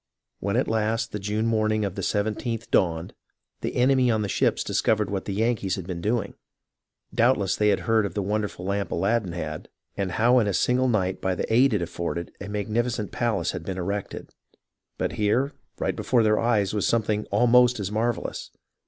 When at last the June morning of the 17th dawned, the enemy on the ships discovered what the Yankees had been doing. Doubtless they had heard of the wonderful lamp Aladdin 64 HISTORY OF THE AMERICAN REVOLUTION had, and how in a single night by the aid it afforded a mag nificent palace had been erected. But here right before their eyes was something almost as marvellous.